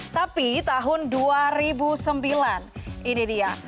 tapi tahun dua ribu sembilan ini dia